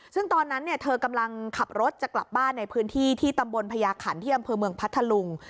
ซึ่งตอนนั้นเธอกำลังขับรถจะกลับบ้านในพื้นที่ที่ตำบลพญาขันที่อำเภอเมืองพัทธลุง